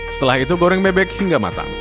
setelah itu goreng bebek hingga matang